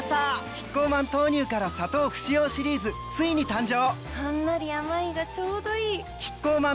キッコーマン豆乳から砂糖不使用シリーズついに誕生！